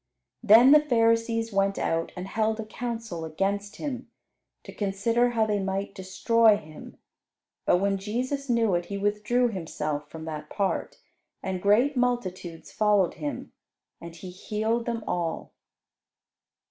Then the Pharisees went out and held a council against Him, to consider how they might destroy Him; but when Jesus knew it, He withdrew Himself from that part, and great multitudes followed Him, and He healed them all.